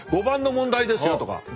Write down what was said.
５番の問題ですよ」とか